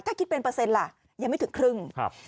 ถ้าคิดเป็นเปอร์เซ็นต์ล่ะยังไม่ถึงครึ่ง